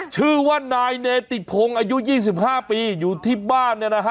ชื่อว่านายเนติพงศ์อายุ๒๕ปีอยู่ที่บ้านเนี่ยนะฮะ